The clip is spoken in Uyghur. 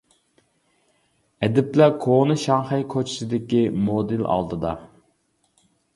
ئەدىبلەر كونا شاڭخەي كوچىسىدىكى مودېل ئالدىدا.